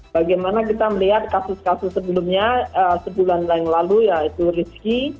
bagaimana kita melihat kasus kasus sebelumnya sebulan yang lalu yaitu rizky